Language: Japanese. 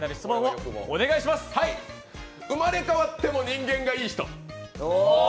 生まれ変わっても人間がいい人。